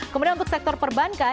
kemudian untuk sektor perbankan